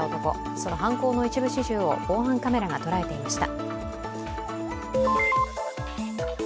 その犯行の一部始終を防犯カメラが捉えていました。